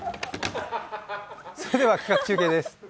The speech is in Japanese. それではご当地中継です。